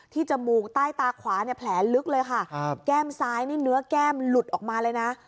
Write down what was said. ที่จมูกใต้ตาขวาแผลลึกเลยค่ะแก้มซ้ายเนื้อแก้มหลุดออกมาเลยนะ